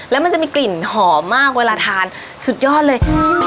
แล้วมันจะมีกลิ่นหอมมากเวลาทานสุดยอดเลย